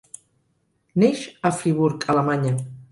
Neix a Friburg, Alemanya.